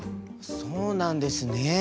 そうなんですね。